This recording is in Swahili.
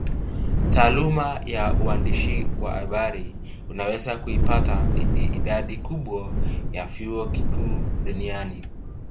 Taaluma ya uandishi wa habari unaweza kuipata idadi kubwa ya vyuo vikuu duniani